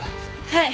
はい。